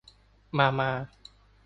มามา